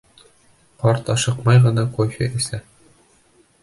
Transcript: Ҡарт ашыҡмай ғына кофе эсә.